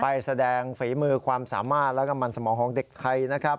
ไปแสดงฝีมือความสามารถแล้วก็มันสมองของเด็กไทยนะครับ